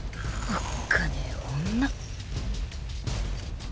おっかねぇ女。